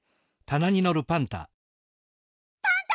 パンタ！